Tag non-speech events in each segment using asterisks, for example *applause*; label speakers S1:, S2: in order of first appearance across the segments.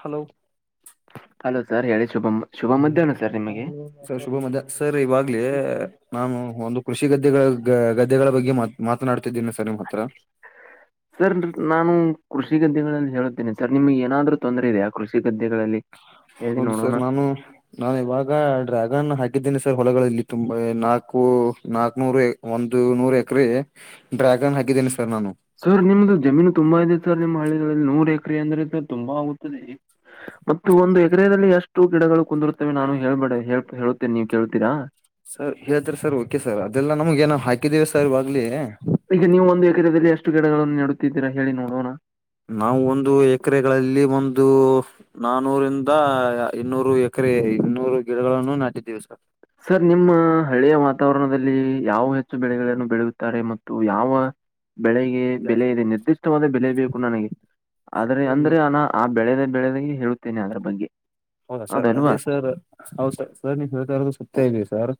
S1: Hello
S2: hello sir ಹೇಳಿ ಶುಭ -ಶುಭ ಮಧ್ಯಾಹ್ನ ಸರ್ ನಿಮಗೆ
S1: ಸರ್ ಶುಭ ಮದ *unintelligible* ಸರ್ ಇವಾಗ್ಲೇ ನಾನು ಒಂದು ಕೃಷಿ ಗದ್ದೆಗಳ ಗದ್ದೆಗಳ ಬಗ್ಗೆ ಮಾತ್ ಮಾತನಾಡ್ತಿದ್ದೇನೆ ಸರ್ ನಿಮ್ಮ್ ಹತ್ರ.
S2: ಸರ್ ನಾನು ಕೃಷಿ ಗದ್ದೆಗಳಲ್ಲಿ ಹೇಳುತ್ತೇನೆ ಸರ್ ನಿಮ್ಗ್ಗೆ ಏನಾದ್ರು ತೊಂದರೆ ಇದೆಯಾ ಕೃಷಿ ಗದ್ದೆಗಳಲ್ಲಿ? ಹೇಳಿ
S1: ಹೌದು ಸರ್
S2: ನೋಡೋಣ
S1: ನಾನು ನಾನ ಇವಾಗ ಡ್ರ್ಯಾಗನ್ ಹಾಕಿದ್ದೇನೆ ಸರ್ ಹೊಲಗಳಲ್ಲಿ ತುಂಬಾ ನಾಕು- ನಾಕ್ನೂರು ಏಕ್ ಒಂದು ನೂರ್ ಎಕರೆೆ ಡ್ರ್ಯಾಗನ್ ಹಾಕಿದ್ದೇನೆ ಸರ್ ನಾನು.
S2: ಸರ್ ನಿಮ್ದು ಜಮೀನು ತುಂಬಾ ಇದೆ ಸರ್ ನಿಮ್ಮ ಹಳ್ಳಿಗಳಲ್ಲಿ ನೂರ್ ಎಕರೆ ಅಂದ್ರೆ ಸರ್ ತುಂಬಾ ಆಗುತ್ತದೆ ಮತ್ತ ಒಂದು ಎಕರೆದಲ್ಲಿ ಎಷ್ಟು ಗಿಡಗಳು ಕುಂದಿರುತ್ತವೆ ನಾನು ಹೇಳ್ಬೇ ಹ ಹೇಳುತ್ತೇನೆ ನೀವು ಕೇಳ್ತೀರಾ
S1: ಸರ್ ಹೇಳ್ತರಿ ಸರ್ ಓಕೆ ಸರ್ ಅದೆಲ್ಲ ನಮಗ ಏನ ಹಾಕಿದಿವಿ ಸರ್ ಇವಾಗ್ಲಿ
S2: ಈಗ ನೀವು ಒಂದು ಎಕರೆದಲ್ಲಿ ಎಷ್ಟು ಗಿಡಗಳನ್ನು ನೆಡುತ್ತಿದ್ದೀರಾ ಹೇಳಿ ನೋಡೋಣ
S1: ನಾವು ಒಂದು ಎಕರೆಗಳಲ್ಲಿ ಒಂದು ನಾನೂರಿಂದ ಇನ್ನೂರು ಎಕರೆ ಇನ್ನೂರು ಗಿಡಗಳನ್ನು ನಾಟಿದ್ದೀವಿ ಸರ್
S2: ಸರ್ ನಿಮ್ಮ ಹಳ್ಳಿಯ ವಾತಾವರಣದಲ್ಲಿ ಯಾವ ಹೆಚ್ಚು ಬೆಳೆಗಳನ್ನು ಬೆಳೆಯುತ್ತಾರೆ ಮತ್ತು ಯಾವ ಬೆಳೆಗೆ ಬೆಲೆ ಇದೆ ನಿರ್ದಿಷ್ಟವಾದ ಬೆಲೆ ಬೇಕು ನನಗೆ ಆದ್ರೆ
S1: ಜಾಸ್ತಿ
S2: ಅಂದ್ರೆ ಅನ ಆ ಬೆಳೆದ ಬೆಳೆದಾಗ ಹೇಳುತ್ತೇನೆ ಅದ್ರ ಬಗ್ಗೆ
S1: ಹೌದಾ ಸರ್ ಅದೇ
S2: ಹೌದಲ್ವಾ
S1: ಸರ್ ಹೌ ಸರ್ ಸರ್ ನೀವು ಹೇಳ್ತ ಇರೋದು ಸತ್ಯಾ ಇದೆ ಸರ್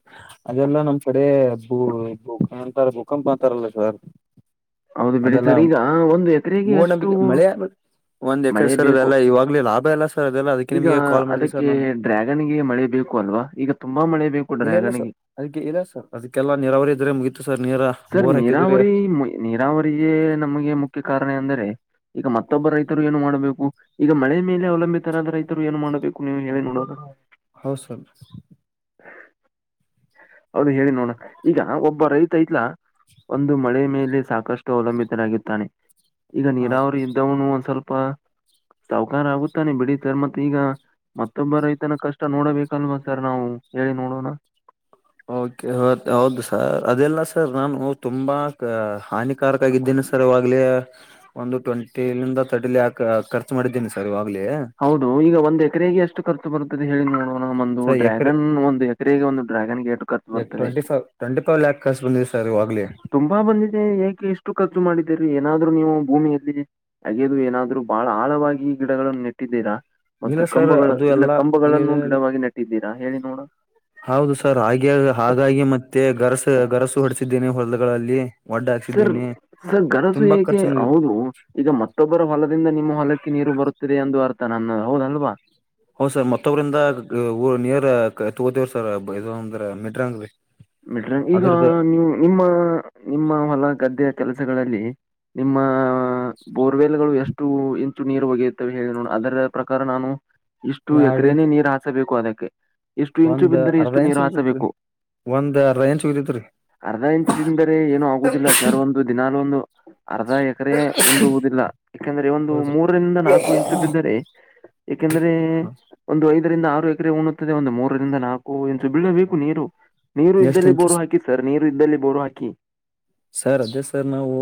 S1: ಅದೆಲ್ಲಾ ನಮ್ ಕಡೆ ಭೂ ಭೂಂತಾರ ಭೂಕಂಪ ಅಂತಾರಲ್ಲ ಸರ್
S2: ಹೌದು ಬಿಡಿ
S1: ಅದೆಲ್ಲಾ
S2: ಸರ್ ಈಗ ಒಂದು ಎಕರೆಗೆ ಎಷ್ಟು
S1: ಮೂವನಂಬಿಕೆ ಮಳೆಯ ಒಂದ್ ಎಕ್ರ
S2: ಮಳೆ
S1: ಸರ್
S2: ಬೇಕು
S1: ಅದೆಲ್ಲ ಇವಾಗ್ಲಿ ಲಾಭ ಇಲ್ಲ ಸರ್ ಅದೆಲ್ಲ ಅದಕ್ಕೆ
S2: ಈಗ
S1: ನಿಮಗೆ ಕಾಲ್ ಮಾಡಿದ್ವಿ ಸರ್
S2: ಅದಕ್ಕೆ
S1: ನಾನು
S2: ಡ್ರ್ಯಾಗನ್ಗೆ ಮಳೆ ಬೇಕು ಅಲ್ವಾ ಈಗ ತುಂಬಾ ಮಳೆ ಬೇಕು
S1: ಇಲ್ಲ ಇಲ್ಲ ಸರ್
S2: ಡ್ರ್ಯಾಗನ್ಗೆ
S1: ಅದಕ್ಕೆ ಇಲ್ಲ ಸರ್ ಅದಕ್ಕೆಲ್ಲ ನೀರಾವರ ಇದ್ರೆ ಮುಗೀತು ಸರ್ ನೀರ
S2: ಸರ್
S1: ಬೋರ್ ಹಾಕಿದ್ರೆ
S2: ನೀರಾವರಿ ನೀರಾವರಿಯ ನಮಗೆ ಮುಖ್ಯ ಕಾರಣ ಅಂದ್ರೆ ಈಗ ಮತ್ತೊಬ್ಬ ರೈತರು ಏನು ಮಾಡಬೇಕು ಈಗ ಮಳೆ ಮೇಲೆ ಅವಲಂಬಿತರಾದ ರೈತರು ಏನು ಮಾಡಬೇಕು ನೀವು ಹೇಳಿ ನೋಡ
S1: ಹೌ ಸರ್
S2: ಹೌದು ಹೇಳಿ ನೋಡಣ ಈಗ ಒಬ್ಬ ರೈತ ಐತ್ಲಾ ಒಂದು ಮಳೆ ಮೇಲೆ ಸಾಕಷ್ಟು ಅವಲಂಬಿತರಾಗಿದ್ದಾನೆ ಈಗ ನೀರಾವರಿ ಇದ್ದವನು ಒಂದ ಸ್ವಲ್ಪ
S1: ಅ *unintelligible*
S2: ಸೌಕಾರ ಆಗುತ್ತಾನೆ ಬಿಡಿ ಸರ್ ಮತ್ತೆ ಈಗ ಮತ್ತೊಬ್ಬ ರೈತನ ಕಷ್ಟ ನೋಡಬೇಕಲ್ವಾ ಸರ್ ನಾವು ಹೇಳಿ ನೋಡೋಣ
S1: ಒಕೆ ಹೌದು ಸರ್ ಅದೆಲ್ಲ ಸರ್ ನಾನು ತುಂಬಾ ಹಾನಿ ಕಾರಕಾರಕ್ಕಾಗಿದ್ದೇನು ಸರವಾಗಿ ಆಗ್ಲೇ ಒಂದು ಟ್ವೆಂಟಿಂದ ತರ್ಟಿ ಲಾಖ್ ಖರ್ಚು ಮಾಡಿದ್ದೀನಿ ಸರ್ ಇವಾಗ್ಲೇ
S2: ಹೌದು ಈಗ ಒಂದ್ ಎಕರೆಗೆ ಎಷ್ಟು ಖರ್ಚು ಬರುತ್ತದೆ ಹೇಳಿ ನೋಡುವ ನ ಒಂದು
S1: ಸರ್ ಎಕರೆ
S2: ಡ್ರ್ಯಾಗನ್ ಒಂದು ಎಕರೆಗೆ ಒಂದು ಡ್ರ್ಯಾಗನ್ ಎಷ್ಟು ಖರ್ಚು ಬರ್ತದೆ
S1: ಟ್ವೆಂಟ ಫವ್ ಲ್ಯಾಕ್ಸ್ ಬಂದಿದೆ ಸರ್ ಇವಾಗ್ಲೆ
S2: ತುಂಬಾ ಬಂದಿದೆ ಏಕೆ ಎಷ್ಟು ಖರ್ಚು ಮಾಡಿದ್ದೀರಿ ಏನಾದ್ರು ನೀವು ಭೂಮಿಯಲ್ಲಿ ಹಗೇದು ಏನಾರು ಬಹಳ ಆಳವಾಗಿ ಗಿಡಗಳನ್ನು ನೆಟ್ಟಿದ್ದೀರಾ
S1: ಇಲ್ಲ
S2: ಮತ್ತು
S1: ಸರ್
S2: ಕಂಬಗಳ
S1: ಅದು
S2: ಇಲ್ಲ
S1: ಎಲ್ಲ
S2: ಕಂಬಗಳನ್ನು
S1: ಇಲ್ಲ
S2: ಗಿಡವಾಗಿ ನೆಟ್ಟಿದ್ದೀರಾ ಹೇಳಿ ನೋಡ
S1: ಹೌದು ಸರ್ ಹಾಗೆ ಹಾಗಾಗಿ ಮತ್ತೆ ಗರಸ ಗರಸು ಹೊಡಸಿದ್ದೇನೆ ಹೊಲ್ಗಳಲ್ಲಿ
S2: ಸರ್ ಸರ್ ಗರಸು ಯಾಕೆ
S1: ಖರ್ಚು ಬಂದಿದೆ
S2: ಹೌದು ಈಗ ಮತ್ತೊಬ್ಬರ ಹೊಲದಿಂದ ನಿಮ್ಮ ಹೊಲಕ್ಕೆ ನೀರು ಬರುತ್ತದೆ ಎಂದು ಅರ್ಥ ನನ್ನ ಹೌದಲ್ವಾ
S1: ಹ್ ಸರ್ ಮತೊಬ್ಬರಿಂದ ನಿರ್ ತಗೋತಿವಿ ಸರ್ ಅಂದ್ರ ಮಿಡ್ರಾಂಗ್
S2: ಮೆಟ್ರನ್ ಈಗ ನೀವು ನಿಮ್ಮ ನಿಮ್ಮ ಹೊಲ ಗದ್ದೆ ಕೆಲಸಗಳಲ್ಲಿ ನಿಮ್ಮ ಬೋರ್ವೆಲ್ ಗಳು ಎಷ್ಟು ಇಂಚು ನೀರು ಒಗೆಯುತ್ತವೆ ಹೇಳಿ ನೋ ಅದರ ಪ್ರಕಾರ ನಾನು ಇಷ್ಟು
S1: ಎರಡ್
S2: ಎಕರೆನೇ
S1: ಇಂಚ್
S2: ನೀರು ಹಾಸಬೇಕು ಅದಕ್ಕೆ ಇಷ್ಟು ಇಂಚು
S1: ಒಂದ್
S2: ಬಿದ್ದರೆ
S1: ಅರ್ಧ
S2: ಇಷ್ಟು
S1: ಇಂಚ್
S2: ನೀರು
S1: ಉಳಿತೈತ್ರಿ
S2: ಹಾಸಬೇಕು
S1: ಒಂದ್ ಅರ್ಧ ಇಂಚ್ ಬಿದತ್ರಿ
S2: ಅರ್ಧ ಇಂಚ್ ಅಂದರೆ ಏನುೂ ಆಗುದಿಲ್ಲ ಸರ್ ಒಂದು ದಿನಾಲೂ ಒಂದು ಅರ್ಧ ಎಕರೆ ಉಂಡುವುದಿಲ್ಲ ಯಾಕೆಂದ್ರೆ ಒಂದು
S1: ಹೌದ್ರಿ
S2: ಮೂರರಿಂದ ನಾಲ್ಕು ಇಂಚು ಬಿದ್ದರೆ ಯಕೆಂದ್ರೆ ಒಂದು ಐದರಿಂದ ಆರು ಎಕರೆ ಉಣ್ಣುತ್ತದೆ ಒಂದು ಮೂರರಿಂದ ನಾಲ್ಕು ಇಂಚು ಬಿಳ ಬೇಕು ನೀರು ನೀರು
S1: ಎಷ್ಟ್
S2: ಇದ್ದಲ್ಲಿ
S1: ಇಂಚ್
S2: ಬೋರು ಹಾಕಿ ಸರ್ ನೀರು ಇದ್ದಲ್ಲಿ ಬೋರು ಹಾಕಿ.
S1: ಸರ್ ಅದೇ ಸರ್ ನಾವು.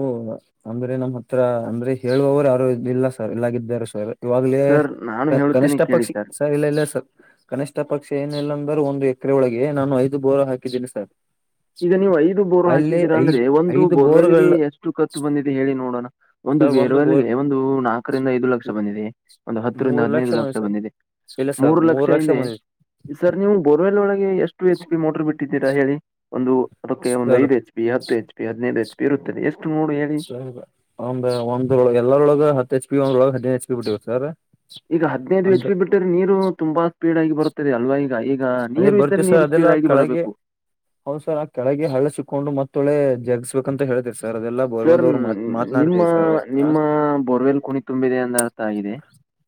S1: ಅಂದ್ರೆ ನಮ್ ಹತ್ರ ಅಂದ್ರೆ ಹೇಳುವವರು ಯಾರು ಇರಲಿಲ್ಲ ಸರ್ ಇಲ್ಲಾಗಾರ ಸರ್. ಇವಾಗ್ಲೇ
S2: ಸರ್ ನಾನು ಹೇಳುತ್ತೇನೆ
S1: ಕನಿಷ್ಠ
S2: ಕೇಳಿ
S1: ಪಕ್ಷ.
S2: ಸರ್
S1: ಇಲ್ಲ ಇಲ್ಲ ಸರ್ ಕನಿಷ್ ಪಕ್ಷ ಏನ ಇಲ್ಲಾ ಅಂದ್ರೂ ಒಂದು ಎಕರೆ ಒಳಗೆ ನಾನು ಐದು ಬೋರ್ ಹಾಕಿದ್ದೀನಿ ಸರ್.
S2: ಈಗ ನೀವು ಐದು ಬೋರ್
S1: ಅಲ್ಲಿ
S2: ಹಾಕಿದ್ದೀರಾ
S1: ಐದ್
S2: ಅಂದ್ರೆ ಒಂದು.
S1: ಐದು
S2: ಬೋರ್ವೆಲ್ಗೆ
S1: ಬೋರ್ಗಳು
S2: ಎಷ್ಟು ಕತ್ತುು ಬಂದಿದೆ ಹೇಳಿ ನೋಡೋಣ ಒಂದು
S1: ಸರ್ ಬೋರ್
S2: ಬೇರ್ವೆಲ್ಗೆ. ಒಂದು ನಾಲ್ಕರಿಂದ ಐದು ಲಕ್ಷ ಬಂದಿದೆಯೇ. ಒಂದು ಹತ್ತರಿಂದ ಹದಿನೈದು ಲಕ್ಷ ಬಂದಿದೆ
S1: ಇಲ್ಲ ಸರ್
S2: ಮೂರು ಲಕ್ಷ
S1: ಮೂರ್
S2: ಹಿಂದೆ
S1: ಬಂದಿದೆ
S2: ಸರ್ ನೀವು ಬೋರ್ವೆಲ್ ಒಳಗೆ ಎಷ್ಟು ಎಚ್ ಪಿ ಮೋಟರ್ ಬಿಟ್ಟಿದ್ದೀರಾ ಹೇಳಿ ಒಂದು ಅದಕ್ಕೆ ಒಂದು ಐದು ಹೆಚ್. ಬಿ ಹತ್ತು ಎಚ್ ಪಿ ಹದಿನೈದು ಹೆಚ್ಚು ಇರುತ್ತದೆ ಎಷ್ಟು. ನೋಡು ಹೇಳಿ
S1: ಸರಿ ಒಂದ್ರ ಒಂದ್ರೊಳಗೆ ಎಲ್ಲರೊಳಗ ಹತ್ತು ಹೆಚ್ ಪಿ ಒಂದ್ರೊಳಗೆ ನೈನ್ ಹೆಚ್ ಪಿ ಬಿಟ್ಬೇಕು ಸರ್
S2: ಈಗ ಹದಿನೈದು ಎಚ್
S1: ಅಂದ್ರ
S2: ಪಿ ಬಿಟ್ಟರೆ ನೀರು ತುಂಬಾ ಸ್ಪೀಡ್ ಆಗಿ ಬರುತ್ತದೆ ಹಲ್ವ. ಈಗ ಈಗ
S1: ಅದೇ
S2: ನೀರು ಇದ್ರೆ ನೀರು ಸ್ಪೀಡ್ ಆಗಿ ಬರಬೇಕು.
S1: ಹೌದ ಸರ್ ಆ ಕೆಳಗೆ ಹಳ್ಳ ಸಿಕ್ಕೊಂಡು ಮತ್ತೊಳೆ ತೆಗಿಸ್ಬೇಕು ಅಂತ ಹ ಹೇಳಳ್ತಿರಿ ಸರ್ ಅದೆಲ್ಲ.
S2: ಸರ್ ನಿಮ್ಮ ನಿಮ್ಮ ಬೋರ್ವೆಲ್ ಕುಣತ್. ತುಂಬಿದೆ ಎಂದರ್ಥ ಆಗಿದೆ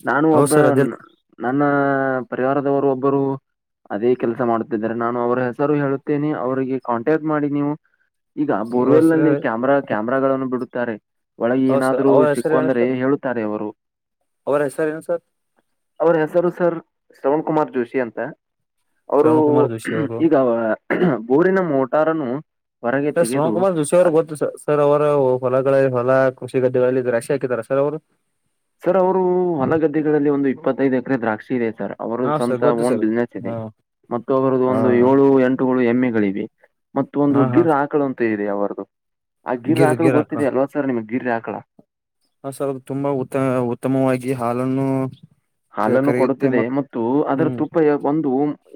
S2: ನಾನು
S1: ಹೌದು
S2: ಒಬ್ಬ
S1: ಸರ್ ಅದೆಲ್
S2: ನನ್ನ ಪರಿವಾರದವರು ಒಬ್ಬರು. ಅದೇ ಕೆಲಸ ಮಾಡುತ್ತಿದ್ದಾರೆ ನಾನು ಅವ್ರ ಹೆಸರು ಹೇಳುತ್ತೇನೆ ಅವ್ರಿಗೆ ಕಾಂಟ್ಯಾಕ್ಟ್ ಮಾಡಿ ನೀವು. ಈಗ
S1: ಅವ್ರ
S2: ಬೋರ್ವೆಲ್
S1: ಹೆಸರು
S2: ನಲ್ಲಿ
S1: ಹೇಳಿ
S2: ಕ್ಯಾಮ್ರಾ ಕ್ಯಾಮ್ರಾಗಳನ್ನು ಬಿಡುತ್ತಾರೆ. ಒಳಗೆ
S1: ಹೌದು ಸರ್
S2: ಏನಾದ್ರರು
S1: ಅವ್ರ ಹೆಸರು ಹೇಳಿ
S2: ಸಿಕ್ಕಿಕೊಂಡ್ರೆ
S1: ಸರ್
S2: ಅಂದ್ರೆ ಹೇಳುತ್ತಾರೆ ಅವರು.
S1: ಅವರ ಹೆಸರು ಏನು ಸರ್
S2: ಅವ್ರ ಹೆಸರು ಸರ್ ಶ್ರವಣ್ ಕುಮಾರ್ ಜೋಶಿ ಅಂತ. ಅವರು
S1: ಶ್ರವಣ್ ಕುಮಾರ್ ಜೋಶಿ ಅವರು
S2: ಈಗ ಬೋರಿನ ಮೋಟಾರ್ರನ್ನು
S1: *unintelligible* ಅವರು ಗೊತ್ತು ಸರ್ ಅವರು ಹೊಲಗಳಲ್ಲಿ ಹೊಲ ಕೃಷಿ ಗದ್ದೆಗಳಲ್ಲಿ ರಶಿ ಹಾಕಿದ್ದಾರೆ ಸರ್ ಅವರು.
S2: ಸರ್ ಅವರು ಹೊಲ ಗದ್ದೆಗಳಲ್ಲಿ ಒಂದು ಇಪ್ಪತ್ತು ಹೈದು ಎಕರೆ ದ್ರಾಕ್ಷಿ ಇದೆ ಸರ್. ಅವರ
S1: ಹಾ ಸರ್
S2: ಸ್ವಂತ
S1: ಗೊತ್ತು
S2: ಓನ್
S1: ಸರ್
S2: ಬಿಸ್ನೆಸ್ ಇದೆ
S1: ಹಾ
S2: ಮತ್ತು ಅವರದ್ದ
S1: ಹಾ
S2: ಒಂದು ಏಳು ಎಂಟು ಎಮ್ಮೆಗಳು ಇವೆ. ಮತ್ತ ಒಂದು
S1: ಹಾ ಹಾ
S2: ಗಿರ ಆಕಳು ಅಂತ ಇದೆ ಅವರದ್ದು ಆ ಗಿರ್ರ
S1: ಗಿರ್
S2: ಹಾಕಳ
S1: ಗಿರ್ ಹಾಕ
S2: ಗೊತ್ತಿದೆ ಅಲ್ವಾ ಸರ್ ನಿಮ್ಗ್ ಗಿರ್ರ ಆಕಳು.
S1: ಹ ಸರ್ ಅದು ತುಂಬಾ ಉತ್ತ ಉತ್ತಮವಾಗಿ ಹಾಲನ್ನು.
S2: ಹಾಲನ್ನು
S1: ಕರೆಯುತ್ತೆ
S2: ಕೊಡುತ್ತದೆ
S1: ಮತ್
S2: ಮತ್ತು ಅದರ
S1: ಹ್ಮ್
S2: ತುಪ್ಪ ಒಂದು.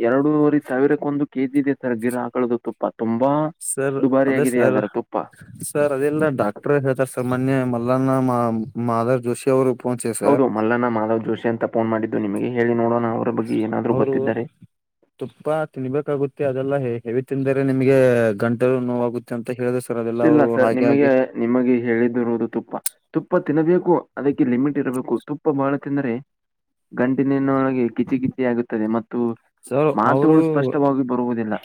S2: ಎರಡೂರೆ ಸಾವಿರಕ್ಕ ಒಂದು ಕೆ ಜಿ ಇದೆ ಸರ್ ಗಿರ ಹಾಕಳದ ತುಪ್ಪ ತುಂಬಾ.
S1: ಸರ್
S2: ದುಬಾರಿ
S1: ಅದೇ
S2: ಆಗಿದೆ
S1: ಸರ್
S2: ಅದಾರ ತುಪ್ಪ.
S1: ಸರ್ ಅದಲ್ ನ ಡಾಕ್ಟರ್ ಹೇಳ್ತಾರೆ ಸರ್ ಮೊನ್ನೆ ಮಲ್ಲನ್ನ ಮಾಧರ್ ಜೋಶಿ ಅವರು ಫೋನ್ ಹಚ್ಚಿದೆ ಸರ್.
S2: ಹೌದು ಮಲ್ಲನ ಮಾಧವ್ ಜೋಶಿ ಅಂತ ಫೋನ್ ಮಾಡಿದ್ದು ನಿಮಗೆ ಹೇಳಿ ನೋಡೋಣ ಅವರ ಬಗ್ಗೆ ಏನಾದರು
S1: ಅವರು
S2: ಗೊತ್ತಿದ್ದಾರೆ.
S1: ತುಪ್ಪ ತಿನ್ಬೇಕಾಗುತ್ತೆ ಅದೆಲ್ಲ ಹೆವಿ ತಿಂದರೆ ನಿಮ್ಗೆ ಗಂಟಲು ನೋವಾಗುತ್ತೆ. ಅಂತ ಹೇಳುದು ಸರ್ ಅದೆಲ್ಲ
S2: ಇಲ್ಲ
S1: ಅವರು
S2: ಸರ್
S1: ಹಾಗಾಗಿ.
S2: ನಿಮಗೆ ನಿಮಗೆ ಹೇಳಿದಿರುವುದು ತುಪ್ಪ. ತುಪ್ಪ ತಿನ್ನಬೇಕು ಅದಕ್ಕೆ ಲಿಮಿಟ್ ಇರಬೇಕು ತುಪ್ಪ ಬಹಳ ತಿಂದ್ರೆ. ಗಂಟಿನಿನೊಳಗೆ ಕಿಚಿ ಕಿಚಿ ಆಗುತ್ತದೆ ಮತ್ತು
S1: ಸರ್ ಅವರು
S2: ಮಾತುಗಳು ಸ್ಪಷ್ಟವಾಗಿ ಬರುವುದಿಲ್ಲ.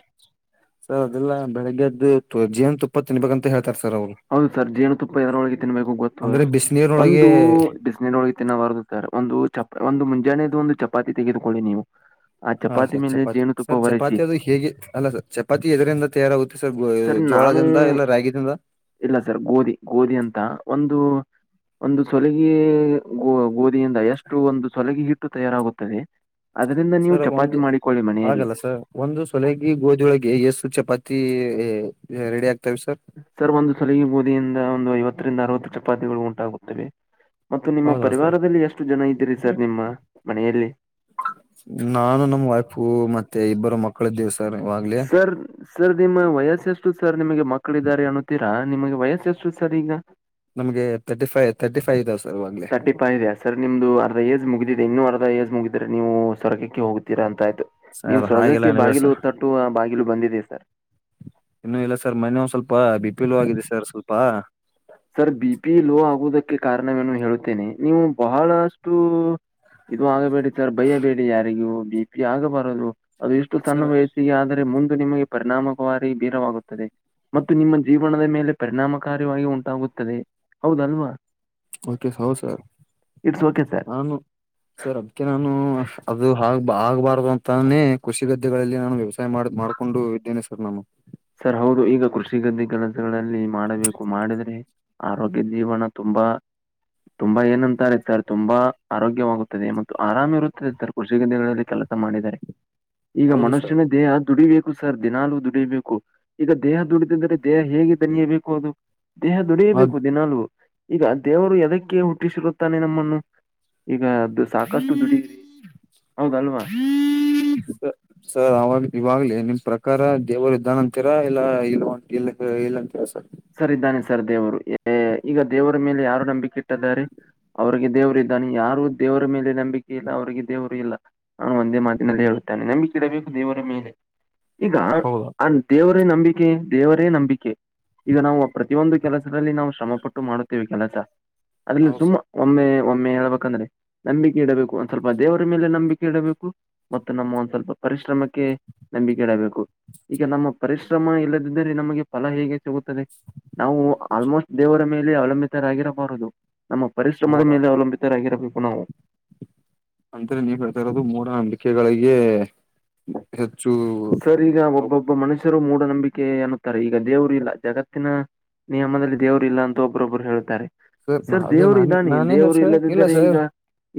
S1: ಸರ್ ಅದೆಲ್ಲ ಬೆಳಗ್ಗೆದ್ದು ಜೇನುತುಪ್ಪ ತಿನ್ಬೇಕ ಅಂತ ಹೇಳ್ತಾರೆ ಸರ್ ಅವ್ರು.
S2: ಹೌದು ಸರ್ ಜೇನುತುಪ್ಪ ಎದರೊಳಗೆ ತಿನ್ಬೇಕು ಗೊತ್ತು
S1: ಅಂದ್ರೆ
S2: ಏನು
S1: ಬಿಸಿನೀರೊಳಗೆ
S2: ಒಂದು. ತಿನ್ನಬಾರದು ಸರ್ ಒಂದು ಚ ಒಂದು ಮುಂಜಾನೆ ಎದ್ದು ಒಂದು ಚಪಾತಿ ತೆಗೆದುಕೊಳ್ಳಿ ನೀವು. ಆ
S1: ಹಾ
S2: ಚಪಾತಿ
S1: ಸರ್
S2: ಮೇಲೆ ಜೇನು
S1: ಸರ್ ಚಪಾತಿ ಅದು ಹೇಗೆ ಅಲ್ಲ ಚಪಾತಿ ಎದರಿಂದ ತಯಾರಾಗುತ್ತೆ ಸರ್ ಜೋಳದಿಂದ ಇಲ್ಲ ರಾಗಿಯಿಂದ.
S2: ಇಲ್ಲ ಸರ್ ಗೋಧಿ ಗೋಧಿ ಅಂತ ಒಂದು. ಒಂದು ಸೊಲಗಿ ಗೋ ಗೋಧಿಯಿಂದ ಎಷ್ಟು ಒಂದು ಸೊಲಗಿ ಹಿಟ್ಟು ತಯಾರಾಗುತ್ತದೆ ಅದ್ರಿಂದ ನೀವು
S1: ಸರ್
S2: ಚಪಾತಿ
S1: ಒಂದು
S2: ಮಾಡಿಕೊಳ್ಳಿ ಮನೆಯಲ್ಲಿ
S1: ಆಗಲ್ಲ ಸರ್ ಒಂದು ಸೊಲಗಿ ಗೋಧಿೊಳಗೆ ಎಏಷ್ಟು ಚಪಾತಿ ರೆಡಿ ಆಗ್ತವೆ ಸರ್
S2: ಸರ್ ಒಂದು ಸಲಗಿ ಬೋದಿಯಿಂದ ಒಂದು ಐವತ್ತರಿಂದ ಅರವತ್ತು ಚಪಾತಿಗಳು ಉಂಟಾಗುತ್ತವೆ ಮತ್ತು ನಿಮ್ಮ
S1: ಹೌದಾ ಸರ್
S2: ಪರಿವಾರದಲ್ಲಿ ಎಷ್ಟು ಜನ ಇದ್ದೀರಿ ಸರ್ ನಿಮ್ಮ ಮನೆಯಲ್ಲಿ
S1: ನಾನು ನಮ್ಮ್ ವೈಫು ಮತ್ತೆ ಇಬ್ಬರು ಮಕ್ಕಳು ಇದ್ದೇವೆ ಸರ್ ಇವಾಗ್ಲೇ
S2: ಸರ್ ಸರ್ ನಿಮ್ಮ ವಯಸ್ಸ ಎಷ್ಟು ಸರ್ ನಿಮಗೆ ಮಕ್ಕಳ ಇದಾರೆ ಅನ್ನುತೀರಾ ನಿಮಗೆ ವಯಸ್ಸು ಎಷ್ಟು ಸರ್ ಈಗ
S1: ನಮ್ಗೆ ತರ್ಟಿ ಫೈ್ ತರ್ಟಿ ಫೈ್ ಇದಾವ ಸರ್ ಹ
S2: ಟಿಾದೆ ಸರ್ ನಿಮ್ದು ಅರ್ಧ ಏಜ್ ಮುಗಿದಿದೆ ಇನ್ನುೂ ಅರ್ಧ ಏಜ್ ಮುಗಿದ್ರೆ ನೀವು ಸೊರಗಕ್ಕೆ ಹೋಗ್ೀಾ ಅಂತ ಆಯ್ತು ನೀವು್
S1: ಸರ್ ಹಾಗೆಲ್ಲ
S2: ಸ್ವರ್ಗಕ್ಕೆ
S1: ಅನ್ಬೇಡ
S2: ಬಾಗಿಲು ಹೊ ತಟ್ಟು ಆ ಬಾಗಿಲು ಬಂದಿದೆ ಸರ್
S1: ಇನ್ನು ಇಲ್ಲ ಸರ್ ಮನೆಯ ಒ ಸ್ವಲ್ಪ ಬಿಪಿಲು ಆಗಿದೆ ಸರ್ ಸ್ವಲ್ಪ
S2: ಸರ್ ಬಿ ಪಿ ಲೋ ಆಗುವುದಕ್ಕೆ ಕಾರಣವೇನು ಹೇಳುತ್ತೇನೆ ನೀವು ಬಹಳಷ್ಟು ಇದು ಆಗಬೇಡಿ ಸರ್ ಭಯಬೇಡಿ ಯಾರಿಗೂ ಬಿ ಪಿ ಆಗಬಾರದು ಅದು ಇಷ್ಟು ತಣ್ಣ
S1: ಸರ್
S2: ವಯಸ್ಸು ಸಿ ಆದರೆ ಮುಂದು ನಿಮಗೆ ಪರಿಣಾಮಕಾರಿ ಬೀರವಾಗುತ್ತದೆ ಮತ್ತು ನಿಮ್ಮ ಜೀವನದ ಮೇಲೆ ಪರಿಣಾಮಕಾರಿವಾಗಿ ಉಂಟಾಗುತ್ತದೆ ಹೌದಲ್ವಾ
S1: ಓಕೆ ಹೌ ಸರ್
S2: ಇಟ್ಸ್ ಓಕೆ ಸರ್
S1: ನಾನು ಸರ್ ಅದಕ್ಕೆ ನಾನು ಅದು ಆಗ್ ಆಗ್ಬಾರ್ದು ಅಂತಾನೇ ಕೃಷಿ ಗದೆಗಳಲ್ಲಿ ನಾನು ವ್ಯವಸಾಯ ಮಾಡ್ ಮಾಡ್ ಹಕೊಂಡು ವಿಜ್ಞಾನೇಶ್ವರ ನಾಮ
S2: ಸರ್ ಹೌದು ಈಗ ಕೃಷಿಗದ್ದೆ ಕೆಲಸಗಳಲ್ಲಿ ಮಾಡಬೇಕು ಮಾಡಿದ್ರಿ ಆರೋಗ್ಯ ಜೀವನ ತುಂಬಾ ತುಂಬಾ ಏನಂತಾರೆ ಸರ್ ತುಂಬಾ ಆರೋಗ್ಯವಾಗುತ್ತದೆ ಮತ್ತು ಆರಾಮ್ ಇರುತ್ತದೆ ಸರ್ ಕೃಷಿಗೆ ದಿನಗಳಲ್ಲಿ ಕೆಲಸ ಮಾಡಿದ್ದಾರೆ ಈಗ
S1: ಹೌದು ಸರ್
S2: ಮನುಷ್ಯನೇ ದೇಹ ದುಡಿಬೇಕು ಸರ್ ದಿನಾಲೂ ದುಡಿಬೇಕು ಈಗ ದೇಹ ದುಡಿದಿದ್ದರೆ ದೇಹ ಹೇಗೆ ದನಿಯಬೇಕು ಅದು ದೇಹ
S1: ಆ
S2: ದುಡಿಯಬೇಕು ದಿನಾಾಲೂ ಈಗ ದೇವರು ಎದಕ್ಕೆ ಹುಟ್ಟಿಸಿರುತ್ತಾನೆ ನಮ್ಮನ್ನು ಈಗದು ಸಾಕಷ್ಟು ದುಡ ಹೌದು ಅಲ್ವಾ
S1: ಸ ಸರ್ ಅವಾಗ ಇವಾಗ್ಲಿ ನಿಮ್ ಪ್ರಕಾರ ದೇವರು ಇದ್ದಾನ ಅಂತೀರಾ ಇಲ್ಲ ಇಲ್ಲ ಇ ಇಲ್ಲ ಅಂತೀರಾ ಸರ್
S2: ಸರ್ ಇದ್ದಾನೆ ಸರ್ ದೇವರು ಈಗ ದೇವರ ಮೇಲೆ ಯಾರು ನಂಬಿಕೆ ಇಟ್ಟಿದ್ದಾರೆ ಅವ್ರಿಗೆ ದೇವರು ಇದ್ದಾನೆ ಯಾರು ದೇವರ ಮೇಲೆ ನಂಬಿಕೆ ಇಲ್ಲ ಅವ್ರರಿಗೆ ದೇವರು ಇಲ್ಲ ಅವಾನು ಒಂದೇ ಮಾತಿನಲ್ಲಿ ಹೇಳುತ್ತಾನೆ ನಂಬಿಕಿ ಇಡಬೇಕು ದೇವರ ಮೇಲೆ ಈಗ
S1: ಹೌದಾ
S2: ದೇವರೇ ನಂಬಿಕೆ ದೇವರೇ ನಂಬಿಕೆ ಈಗ ನಾವು ಪ್ರತಿಯೊಂದು ಕೆಲಸದಲ್ಲಿ ನಾವು ಶ್ರಮ ಪಟ್ಟು ಮಾಡುತ್ತೇವೆ ಕೆಲಸ ಅದ್ರಲ್ಲಿ
S1: ಹೌ
S2: ಸುಮ್ಮ
S1: ಸರ್
S2: ಒಮ್ಮೆ ಒಮ್ಮೆ ಹೇಳ್ಬೇಕಂದ್ರೆ ನಂಬಿಕೆ ಇಡಬೇಕು ಒಂದ್ ಸ್ವಲ್ಪ ದೇವರ ಮೇಲೆ ನಂಬಿಕೆ ಇಡಬೇಕು ಮತ್ತು ನಮ್ಮ ಒಂದ್ ಸ್ವಲ್ಪ ಪರಿಶ್ರಮಕ್ಕೆ ನಂಬಿಕೆ ಇಡಬೇಕು ಈಗ ನಮ್ಮ ಪರಿಶ್ರಮ ಇಲ್ಲದಿದ್ದರೆ ನಮಗೆ ಫಲ ಹೇಗೆ ಸಿಗುತ್ತೆ ನಾವು ಆಲ್ಮೋಸ್ಟ್ ದೇವರ ಮೇಲೆ ಅವಲಂಬಿತರಾಗಿರಬಾರದು ನಮ್ಮ ಪರಿಶ್ರಮದ
S1: ಮೋಡ
S2: ಮೇಲೆ ಅವಲಂಬಿತರಾಗಿರ ನಾವು
S1: ಅಂದ್ರೆ ನೀವ್ ಹೇಳ್ತಾ ಇರೋದು ಮೂಡ ಅಂಬಿಕೆಗಳಿಗೆ ಹೆಚ್ಚು
S2: ಸರ್ ಈಗ ಒಬ್ಬೊಬ್ಬ ಮನುಷ್ಯರು ಮೂಢನಂಬಿಕೆ ಅನ್ನುತ್ತಾರೆ ಈಗ ದೇವರು ಇಲ್ಲ ಜಗತ್ತಿನ ನಮ್ಮನದಲ್ಲಿ ದೇವ್ರ ಇಲ್ಲ ಅಂತ ಒಬ್ಬೊಬ್ರು ಹೇಳ್ತಾರೆ ಸರ್
S1: ಅದೇ
S2: ದೇವರು
S1: ನಾನೇ
S2: ಇದ್ದಾನೆ
S1: ನಾನೇ ಹೇಳ
S2: ದೇವರು
S1: ಸರ್ ಇಲ್ಲ
S2: ಇಲ್ಲದಿದ್ದರೆ ಈಗ
S1: ಸರ್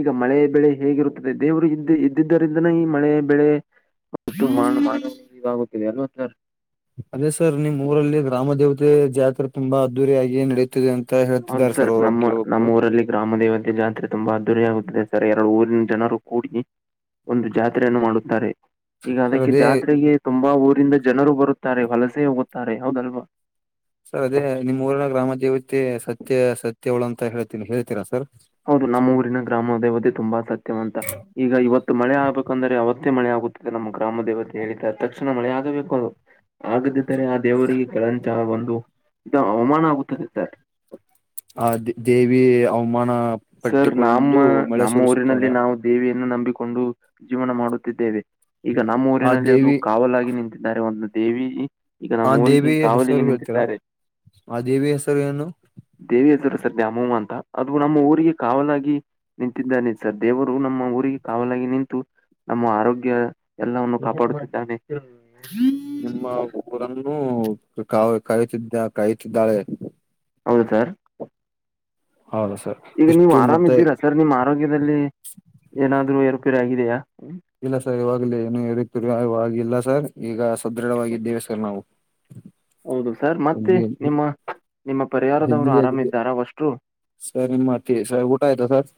S2: ಈಗ ಮಳೆ ಬೆಳೆ ಹೇಗಿರುತ್ತದೆ ದೇವರು ಇದ್ದ ಇದ್ದಿದ್ದರಿಂದನೇ ಈ ಮಳೆ ಬೆಳೆ ಮತ್ತು
S1: ಹ
S2: ಮಾಡ ಈಗ ಆಗಿದೆ ಅಲ್ವತ್ತ
S1: ಅದೇ ಸರ್ ನಿಮ್ ಊರಲ್ಲಿ ಗ್ರಾಮ ದೇವತೆ ಜಾತ್ರೆ ತುಂಬಾ ಅದ್ದೂರಿಯಾಗಿ ನಡೀತ. ನಡೀತೇದೆ ಅಂತ ಹೇಳ.
S2: ಹೌದು ಸರ್ ನಮ್ಮ ನಮ್ಮ್ ಊರಲ್ಲಿ ಗ್ರಾಮ ದೇವತೆ ಜಾತ್ರೆ. ತುಂಬಾ ಅದ್ದೂರಿ ಆಗುತ್ತದೆ ಸರ್ ಎರಡು ಊರಿನ ಜನರು ಕೂಡಿ ಒಂದು ಜಾತ್ರೆಯನ್ನು ಮಾಡುತ್ತಾರೆ. ಈಗ
S1: ಸರ್
S2: ಅದಕ್ಕೆ
S1: ಅದೇ
S2: ಜಾತ್ರೆಗೆ ತುಂಬಾ ಊರಿಂದ ಜನರು ಬರುತ್ತಾರೆ ವಲಸೆ ಹೋಗುತ್ತಾರೆ ಹೌದಲ್ವಾ.
S1: ಸರ್ ಅದೇ ನಿಮ್ಮ ಊರಿನ ಗ್ರಾಮ ದೇವತೆ ಸತ್ಯ ಸತ್ಯವಳ ಅಂತ ಹೇಳ್ತೀನಿ ಹೇಳ್ತೀರಾ ಸರ್.
S2: ಹೌದು ನಮ್ಮ ಊರಿನ ಗ್ರಾಮದೇವತೆ ತುಂಬಾ ಸತ್ಯವ ಅಂತಾ. ಈಗ ಇವತ್ತು ಮಳೆ ಆಗ್ಬೇಕಂದ್ರೆ ಅವತ್ತೇ ಮಳೆ ಆಗುತ್ತಿದೆ ನಮ್ಮ ಗ್ರಾಮ ದೇವತೆ ಹೇಳಿದ ತಕ್ಷಣ ಮಳೆ ಆಗಬೇಕು. ಆಗದಿದ್ದರೆ ಆ ದೇವರಿಗೆ ಕೆಳಂಚ ಒಂದು ಇದ ಅವಮಾನ ಆಗುತ್ತದೆ ಸರ್.
S1: ಆ ದೇವಿ ಅವಮಾನ.
S2: ಸರ್ ನಮ್ಮ
S1: ಪಟ್ಟುಕೊಂಡು ಮಳೆ
S2: ನಮ್ಮ ಊರಿನಲ್ಲಿ
S1: ಸುರಿಸುತ್ತಾಳೆ
S2: ನಾವು. ದೇವಿಯನ್ನು ನಂಬಿಕೊಂಡು ಜೀವನ ಮಾಡುತ್ತಿದ್ದೇವೆ. ಈಗ ನಮ್ಮ
S1: ಆ
S2: ಊರಿನಲ್ಲಿ ಅದು
S1: ದೇವಿ
S2: ಕಾವಲಾಗಿ ನಿಂತಿದ್ದಾರೆ ಒಂದು ದೇವಿಯಲ್ಲಿ. ಈಗ
S1: ಆ
S2: ನಮ್ಮ ಊರಿಗೆ
S1: ದೇವಿಯ ಹೆಸರು
S2: ಕಾವಲಿಗೆ
S1: ಹೇಳ್ತೀರಾ
S2: ನಿಂತಿದ್ದಾರೆ.
S1: ಆ ದೇವಿಯ ಹೆಸರು ಏನು
S2: ದೇವಿ ಹೆಸರು ಸರ್ ದ್ಯಾಮವ್ವ ಅಂತ ಅದು ನಮ್ಮ ಊರ್. ಊರಿಗೆ ಕಾವಾಲಾಗಿ ನಿಂತಿದ್ದಾನೆ ಸರ್ ದೇವರು ನಮ್ಮ ಊರಿಗೆ ಕಾವಲಾಗಿ ನಿಂತು. ನಮ್ಮ ಆರೋಗ್ಯ ಎಲ್ಲವನ್ನು ಕಾಪಾಡುತ್ತಿದ್ದಾನೆ.
S1: ನಿಮ್ಮ ಊರನ್ನು ಕಾ ಕಾಯುತ್ತಿದ್ದ ಕಾಯುತ್ತಿದ್ದಾಳೆ.
S2: ಹೌದು ಸರ್
S1: ಹೌದಾ ಸರ್
S2: ಈಗ ನೀವು್
S1: ಎಷ್ಟು
S2: ಆರಾಮ್
S1: ಮತ್ತೆ
S2: ಇದ್ದೀರಾ ಸರ್ ನಿಮ್ಮ್ ಆರೋಗ್ಯದಲ್ಲಿ ಏನಾದ್ರು ಏರುಪೇರು ಆಗಿದೆಯಾ.
S1: ಇಲ್ಲ ಸರ್ ಇವಾಗಲ ಏನು ಇರುತಿರಿ ಇವಾಗಿಲ್ಲ ಸರ್ ಈಗ ಸದೃಢವಾಗಿದ್ದೇವೆ ಸರ್ ನಾವು.
S2: ಹೌದು ಸರ್ ಮತ್ತೆ
S1: ಹೆಲ್ದಿ
S2: ನಿಮ್ಮ ನಿಮ್ಮ ಪರಿವಾರದವ್ರು ಆರಾಮ್ ಇದ್ದರ್ ವಷ್ಟುರು.
S1: ಸರಿಮ್ಮತ್ತ ಸ ಊಟ ಆಯ್ತಾ ಸರ್.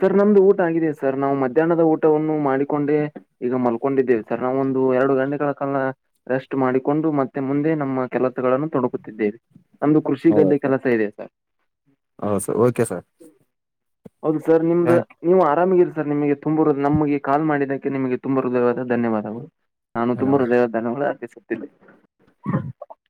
S2: ಸರ್ ನಮ್ದು ಊಟ ಆಗಿದೆ ಸರ್ ನಾವು ಮಧ್ಯಾಹ್ನದ ಊಟವನ್ನು ಮಾಡಿಕೊಂಡೆ. ಈಗ ಮಲ್ಕೊಂಡಿದ್ದೇವೆ ಸರ್ ನಾವೊಂದು ಎರಡು ಗಂಟೆಗಳ ಕಾಲ. ರೆಸ್ಟ್ ಮಾಡಿಕೊಂಡು ಮತ್ತೆ ಮುಂದೆ ನಮ್ಮ ಕೆಲಸಗಳನ್ನು ತೊಡಕುತ್ತಿದ್ದೇವೆ. ನಮ್ದು ಕೃಷಿ ಗದ್ದೆ ಕೆಲಸ ಇದೆ ಸರ್.
S1: ಹೌದು ಸರ್ ಓಕೆ ಸರ್.
S2: ಹೌದು ಸರ್ ನಿಮ್ದ.
S1: ಥ್ಯಾಂಕ್ ಯು
S2: ನೀವು ಆರಾಮಗಿರಿ ಸರ್ ನಿಮಗೆ ತುಂಬ ನಮಗೆ ಕಾಲ್ ಮಾಡಿದಕ್ಕೆ ನಿಮಗೆ ತುಂಬ ಹೃದಯವಾದ ಧನ್ಯವಾದಗಳು. ನಾನು
S1: ಧನ್ಯವಾದ
S2: ತುಂಬರು ಧನ್ಯವಾದನಗಳು ಅರ್ಪಿಸುತ್ತಿದೆ.